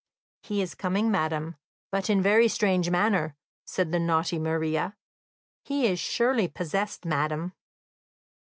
"He is coming, madam, but in very strange manner," said the naughty Maria. "He is surely possessed, madam."